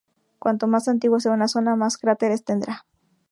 Cuanto más antigua sea una zona, más cráteres tendrá.